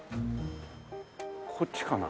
こっちかな？